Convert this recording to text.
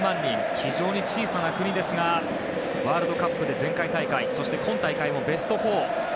非常に小さな国ですがワールドカップで前回大会そして今大会もベスト４。